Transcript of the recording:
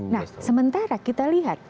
nah sementara kita lihat